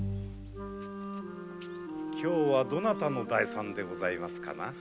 今日はどなたの代参でございますかな？